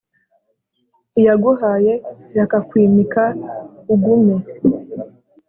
Iyaguhaye irakakwimika ugume.